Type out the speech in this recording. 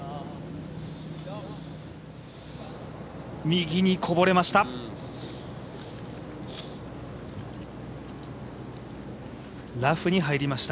右にこぼれました。